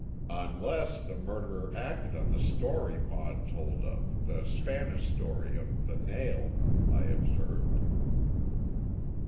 "Unless the murderer acted on the story Maud told of, the Spanish story of The Nail," I observed.